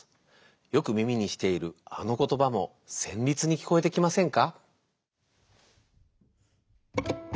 よく耳にしているあのことばもせんりつにきこえてきませんか？